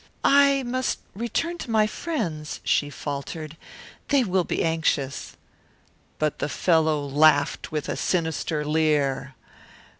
"I must return to my friends," she faltered. "They will be anxious." But the fellow laughed with a sinister leer.